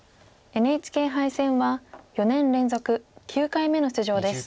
ＮＨＫ杯戦は４年連続９回目の出場です。